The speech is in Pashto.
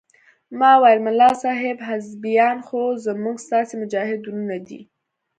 ما وويل ملا صاحب حزبيان خو زموږ ستاسې مجاهد ورونه دي.